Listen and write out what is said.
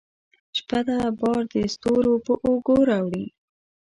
شپه ده بار دستورو په اوږو راوړي